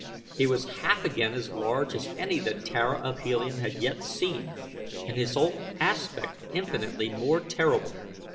He was half again as large as any that Tara of Helium had yet seen and his whole aspect infinitely more terrible.